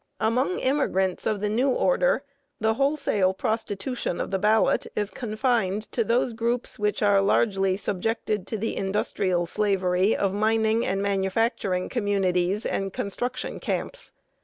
Among immigrants of the "new" order, the wholesale prostitution of the ballot is confined to those groups which are largely subjected to the industrial slavery of mining and manufacturing communities and construction camps.